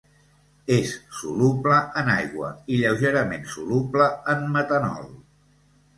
És soluble en aigua i lleugerament soluble en metanol.